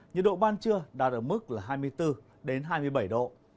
nhiệt độ ban trưa đạt ở mức là hai mươi bốn hai mươi bảy độ